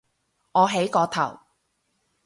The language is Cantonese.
我起個頭